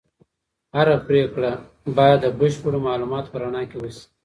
هره پریکړه باید د بشپړو معلوماتو په رڼا کي وسي.